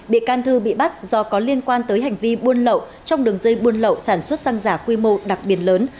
bị can thư bị bắt do có liên quan tới hành vi buôn lậu trong đường dây buôn lậu sản xuất xăng giả quy mô đặc biệt lớn